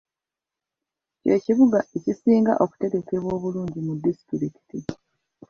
Ky'ekibuga ekisinga okutegekebwa obulungi mu disitulikiti